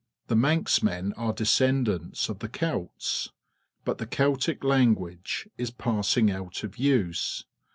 The Manxmen are descendants of the Celts, but the Celtic language is passing out of use.